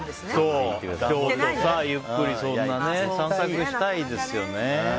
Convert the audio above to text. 京都ゆっくり散策したいですよね。